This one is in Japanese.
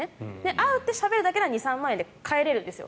会ってしゃべるだけだと２３万円で帰れるんですよ。